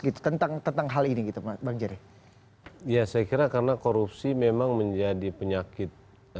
gitu tentang tentang hal ini gitu pak banjir ya saya kira karena korupsi memang menjadi penyakit